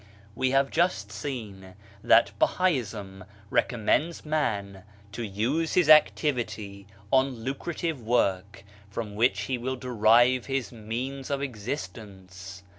We have just seen that Bahaism re commends man to use his activity on lucrative work from which he will derive his means of existence.